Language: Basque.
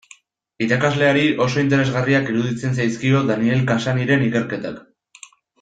Irakasleari oso interesgarria iruditzen zaizkio Daniel Cassanyren ikerketak.